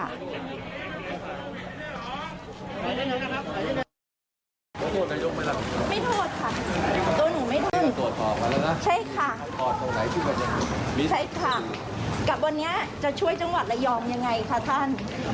ไม่โทษค่ะตัวหนูไม่โทษใช่ค่ะใช่ค่ะกลับวันนี้จะช่วยจังหวัดระยองยังไงค่ะท่าน